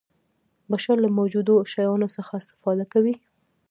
بشر له موجودو شیانو څخه استفاده کوي.